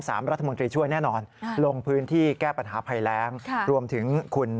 รัฐมนตรีช่วยแน่นอนลงพื้นที่แก้ปัญหาภัยแรงค่ะรวมถึงคุณ